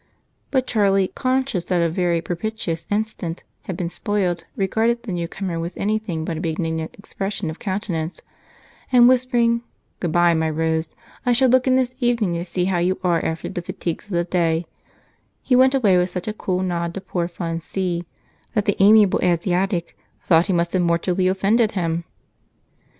But Charlie, conscious that a very propitious instant had been spoiled, regarded the newcomer with anything but a benignant expression of countenance and, whispering, "Good bye, my Rose, I shall look in this evening to see how you are after the fatigues of the day," he went away, with such a cool nod to poor Fun See that the amiable Asiatic thought he must have mortally offended him.